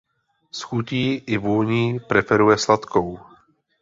Z chutí i vůní preferuje sladkou.